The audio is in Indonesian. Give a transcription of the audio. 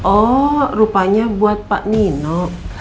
oh rupanya buat pak nino